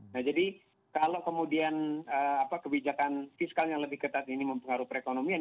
nah jadi kalau kemudian kebijakan fiskalnya lebih ketat ini mempengaruhi perekonomian